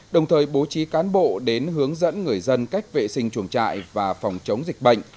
đồng thời bố trí cán bộ đến hướng dẫn người dân cách vệ sinh chuồng trại và phòng chống dịch bệnh